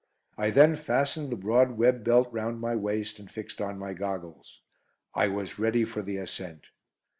I then fastened the broad web belt round my waist, and fixed on my goggles. I was ready for the ascent.